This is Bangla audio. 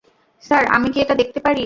স্যার, আমি কি এটা দেখতে পারি?